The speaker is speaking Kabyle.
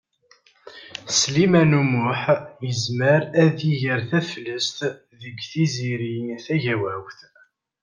Sliman U Muḥ yezmer ad iger taflest deg Tiziri Tagawawt.